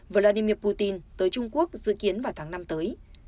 vladimir putin tới trung quốc dự kiến vào tháng năm tới